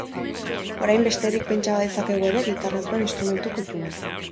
Orain besterik pentsa badezakegu ere, gitarra zuen instrumentu kuttuna.